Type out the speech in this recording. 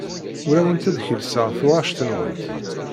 Ur awent-d-kellseɣ tuɣac-nwent.